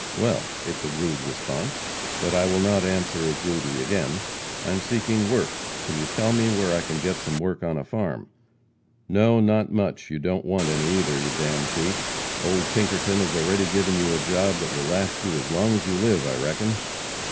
"Well, it's a rude response, but I will not answer as rudely again. I am seeking work. Can you tell me where I can get some work on a farm?" "No, not much, you don't want any, either, you d d thief. Old Pinkerton has already given you a job that will last you as long as you live, I reckon."